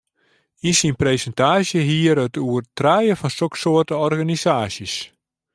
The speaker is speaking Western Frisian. Yn syn presintaasje hie er it oer trije fan soksoarte organisaasjes.